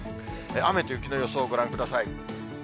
雨と雪の予想、ご覧ください。